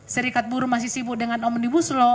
serikat buruh masih sibuk dengan omnibus law